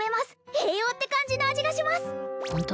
栄養って感じの味がしますホント？